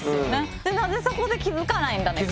何でそこで気付かないんだね